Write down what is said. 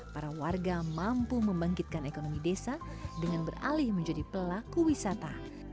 para warga mampu membangkitkan ekonomi desa dengan beralih menjadi pelaku wisata